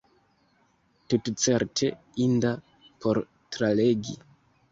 Tutcerte inda por tralegi.